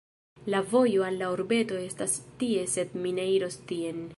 La vojo al la urbeto estas tie sed mi ne iros tien